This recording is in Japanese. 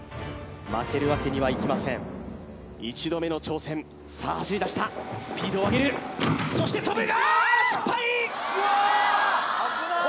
負けるわけにはいきません一度目の挑戦さあ走り出したスピードを上げるそしてあっ失敗！